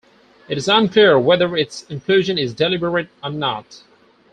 Its unclear whether its inclusion is deliberate or not.